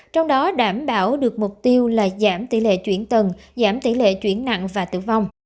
trong đó đảm bảo được mục tiêu là giảm tỷ lệ chuyển tầng giảm tỷ lệ chuyển nặng và tử vong